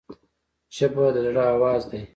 ژبه د زړه آواز دی